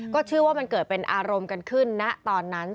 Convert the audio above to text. ก็เชื่อว่ามันเกิดเป็นอารมณ์กันขึ้นณตอนนั้น